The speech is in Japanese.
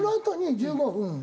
１５分？